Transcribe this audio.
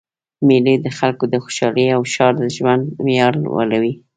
میلې د خلکو د خوشحالۍ او ښار د ژوند معیار لوړوي.